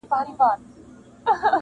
ګوندي نن وي که سبا څانګه پیدا کړي-